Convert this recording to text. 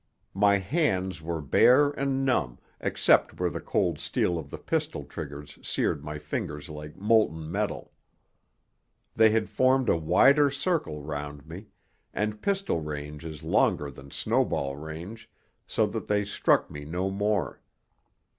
My hands were bare and numb, except where the cold steel of the pistol triggers seared my fingers like molten metal. They had formed a wider circle round me, and pistol range is longer than snowball range, so that they struck me no more.